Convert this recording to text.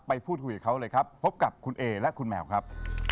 ไปพูดคุยกับเขาเลยครับพบกับคุณเอและคุณแมวครับ